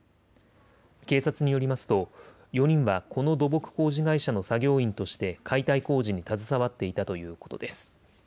警察によりますと４人はこの土木工事会社の作業員として解体工事に携わっていたということです。